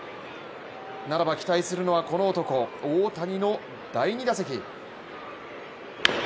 ならば期待するのは、この男大谷の第２打席。